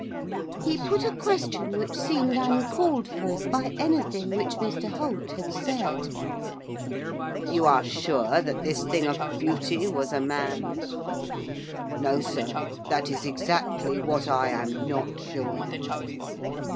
He put a question which seemed uncalled for by anything which Mr Holt had said. 'You are sure this thing of beauty was a man?' 'No, sir, that is exactly what I am not sure.